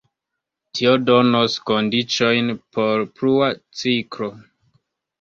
Tio donos kondiĉojn por plua ciklo.